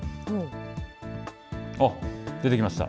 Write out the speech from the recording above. あっ、出てきました。